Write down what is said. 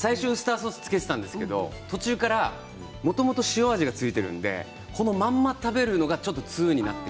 最初ウスターソースつけていたんですけれども途中からもともと塩味が付いているのでこのまま食べるのが。